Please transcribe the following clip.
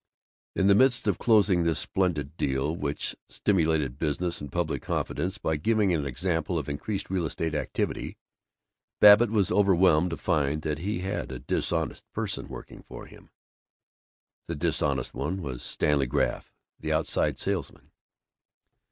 In the midst of closing this splendid deal, which stimulated business and public confidence by giving an example of increased real estate activity, Babbitt was overwhelmed to find that he had a dishonest person working for him. The dishonest one was Stanley Graff, the outside salesman.